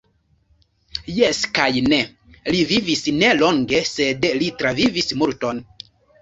Jes kaj ne; li vivis ne longe, sed li travivis multon.